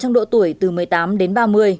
trong độ tuổi từ một mươi tám đến ba mươi